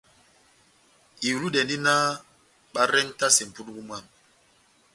Ihulidɛndi náh barentase mʼpundungu mwámɛ.